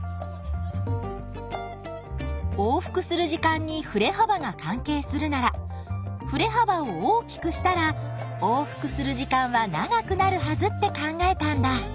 往復する時間にふれ幅が関係するならふれ幅を大きくしたら往復する時間は長くなるはずって考えたんだ。